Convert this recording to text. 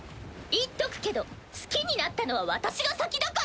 言っとくけど好きになったのは私が先だから！